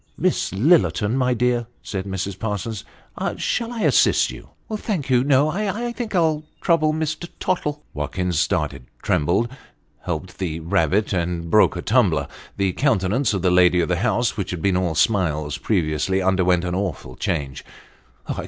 " Miss Lillerton, my dear," said Mrs. Parsons, " shall I assist you ?"" Thank you, no ; I think I'll trouble Mr. Tottle." Watkins started trembled helped the rabbit and broke a tumbler. The countenance of the lady of the house, which had been all smiles previously, underwent an awful change.